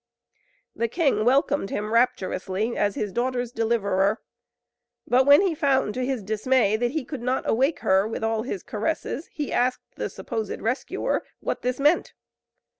The king welcomed him rapturously, as his daughter's deliverer. But when he found, to his dismay, that he could not awake her, with all his caresses, he asked the supposed rescuer what this meant.